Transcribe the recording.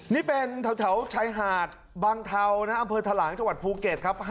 นี่เป็นแถวชายหาดบางเทานะอำเภอทะหลางจังหวัดภูเก็ตครับ